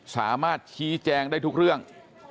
สามารถชี้แจงได้ทุกเรื่อง